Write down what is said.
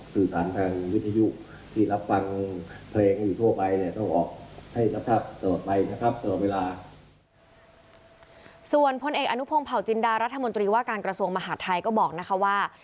ส่วนพลเอกอนุพงศ์เผาจินดารัฐมนตรีว่าการกระทรวงมหาดไทยก็บอกนะคะว่า